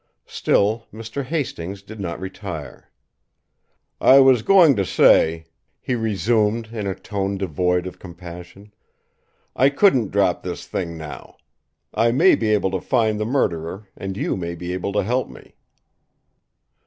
Still, Mr. Hastings did not retire. "I was going to say," he resumed, in a tone devoid of compassion, "I couldn't drop this thing now. I may be able to find the murderer; and you may be able to help me."